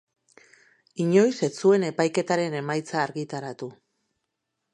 Inoiz ez zuen epaiketaren emaitza argitaratu.